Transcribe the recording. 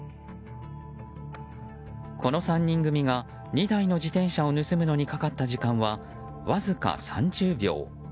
この３人組が、２台の自転車を盗むのにかかった時間はわずか３０秒。